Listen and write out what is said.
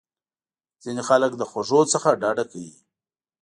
ځینې خلک د خوږو څخه ډډه کوي.